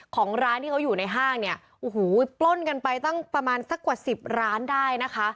ของร้านที่เขาอยู่ในห้างเนี่ยโอ้โหปล้นกันไปตั้งประมาณสักกว่าสิบร้านได้นะคะ